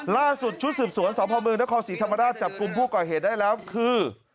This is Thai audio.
ล่าสุดชุดสืบสวนสพเมืองนครศรีธรรมราชจับกลุ่มผู้ก่อเหตุได้แล้วคือ